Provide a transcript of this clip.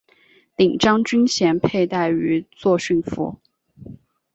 领章军衔佩戴于作训服。